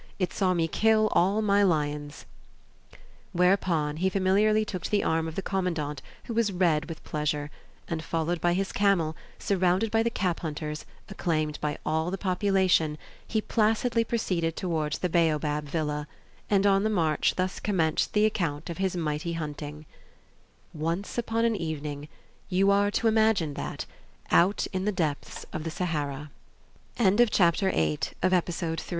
It saw me kill all my lions!" Whereupon he familiarly took the arm of the commandant, who was red with pleasure; and followed by his camel, surrounded by the cap hunters, acclaimed by all the population, he placidly proceeded towards the Baobab Villa; and, on the march, thus commenced the account of his mighty hunting: "Once upon an evening, you are to imagine that, out in the depths of the Sahara" APPENDIX Obituary of Alphonse Daudet.